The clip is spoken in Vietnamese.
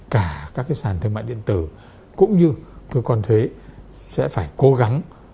cả các cái sản thương mại điện tử cũng như cơ quan thuế sẽ phải cố gắng